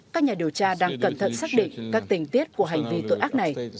các nhà điều tra đang cẩn thận xác định các tình tiết của hành vi tội ác này